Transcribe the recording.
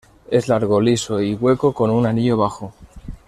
Es largo, liso y hueco con un anillo bajo.